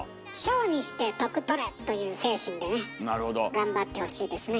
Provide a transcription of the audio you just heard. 頑張ってほしいですね。